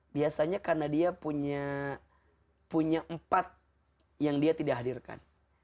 biasanya karena dia punya empat yang dia tidak hadirkan